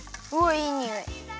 いいにおい。